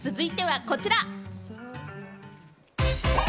続いてはこちら。